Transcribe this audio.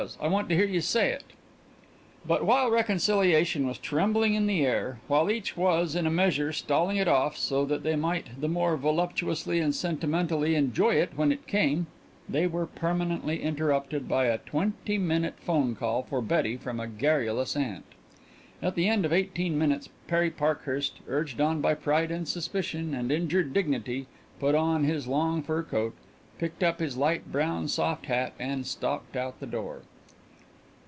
I want to hear you say it! But while reconciliation was trembling in the air, while each was, in a measure, stalling it off, so that they might the more voluptuously and sentimentally enjoy it when it came, they were permanently interrupted by a twenty minute phone call for Betty from a garrulous aunt. At the end of eighteen minutes Perry Parkhurst, urged on by pride and suspicion and injured dignity, put on his long fur coat, picked up his light brown soft hat, and stalked out the door.